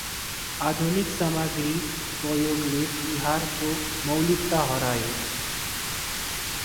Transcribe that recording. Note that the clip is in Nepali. आधुनिक सामग्री प्रयोगले तिहारको मौलिकता हरायो।